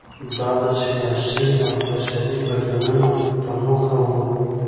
دا د سیاسي او اقتصادي بدلونونو په موخه و.